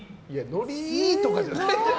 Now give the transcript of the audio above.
ノリいいとかじゃない。